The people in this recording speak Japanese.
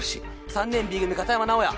３年Ｂ組片山直哉！